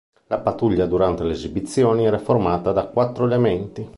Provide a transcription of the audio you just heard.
La pattuglia durante le esibizioni era formata da quattro elementi.